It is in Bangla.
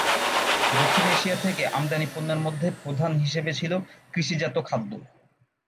দক্ষিণ এশিয়া থেকে আমদানি পণ্যের মধ্যে প্রধান হিসেবে ছিল কৃষিজাত খাদ্য।